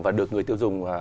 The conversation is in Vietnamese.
và được người tiêu dùng